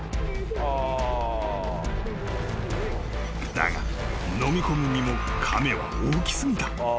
［だがのみ込むにも亀は大き過ぎた］